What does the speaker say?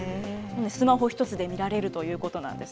スマホ一つで見られるということなんです。